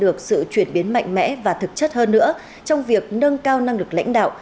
được sự chuyển biến mạnh mẽ và thực chất hơn nữa trong việc nâng cao năng lực lãnh đạo